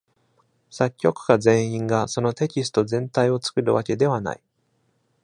作曲家全員がそのテキスト全体を作るわけではない。